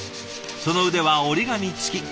その腕は折り紙付き。